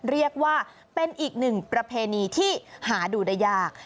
เรียกว่าเป็นอีกหนึ่งประเพณีที่หาดูได้ยาก